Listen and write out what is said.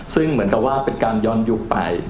ซึ่งเหมือนกับว่าเป็นการย้อนยุคไป